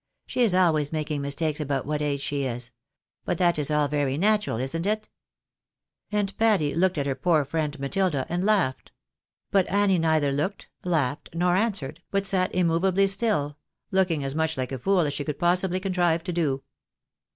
She is always making mistakes about what age she is. But that is all very natural, isn't it ?" And Patty looked at her poor friend Matilda, and laughed. But Annie neither looked, laughed, nor answered, but sat immov ably stin, looking as much like a.fool as she could possibly contrive to do.